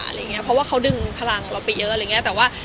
เพราะว่าเขาดึงพลังเราปิดเยอะ